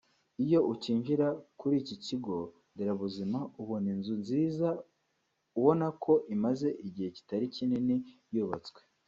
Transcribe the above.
Iyo ukinjira kuri iki kigo nderabuzima ubona inzu nziza ubona ko imaze igihe kitari kinini yubatswe